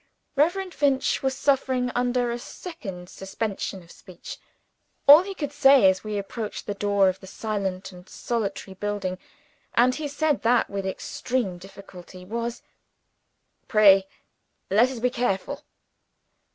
Reverend Finch was suffering under a second suspension of speech. All he could say as we approached the door of the silent and solitary building and he said that with extreme difficulty was, "Pray let us be careful!"